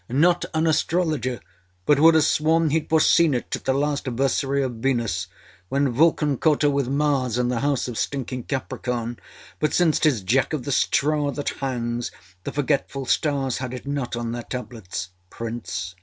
Not an astrologer, but would haâ sworn heâd foreseen it at the last versary of Venus, when Vulcan caught her with Mars in the house of stinking Capricorn. But since âtis Jack of the Straw that hangs, the forgetful stars had it not on their tablets. PRINCE.